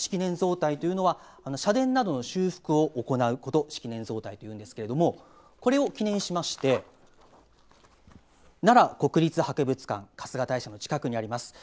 式年造替というのは社殿などの修復を行うことなんですけれどもこれを記念しまして奈良国立博物館春日大社の近くにあります。